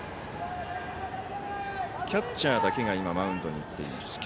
キャッチャーだけが今、マウンドに行っています。